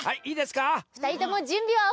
ふたりともじゅんびはオッケー？